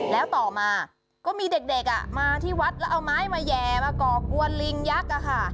แล้วต่อมาก็มีเด็กมาที่วัดแล้วเอาไม้มาแย่มาก่อกวนลิงยักษ์ค่ะ